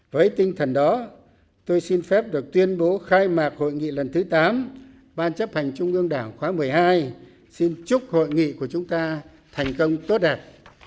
với tinh thần đó tôi xin phép được tuyên bố khai mạc hội nghị lần thứ tám ban chấp hành trung ương đảng khóa một mươi hai xin chúc hội nghị của chúng ta thành công tốt đẹp